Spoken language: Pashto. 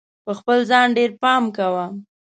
په خپل ځان ډېر پام کوه!